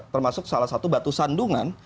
termasuk salah satu batu sandungan